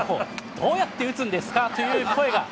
どうやって打つんですか？という